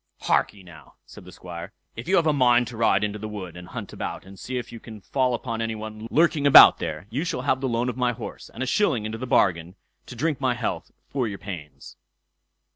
"Harkye, now", said the Squire, "if you have a mind to ride into the wood, and hunt about and see if you can fall upon any one lurking about there, you shall have the loan of my horse, and a shilling into the bargain, to drink my health, for your pains."